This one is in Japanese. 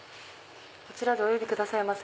こちらでお呼び下さいませ」。